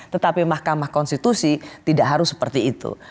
tetapi mahkamah konstitusi tidak harus seperti itu